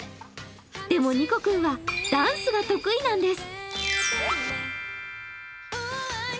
でもにこくんは、ダンスが得意なんです。